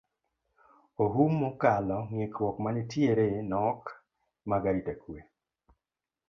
Ohum mokalo ng`ikruok mantiere nok mag arita kwe